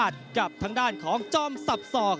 กับทางด้านของจอมสับสอก